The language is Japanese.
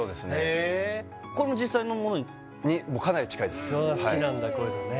へえこれも実際のものに？にかなり近いです好きなんだこういうのね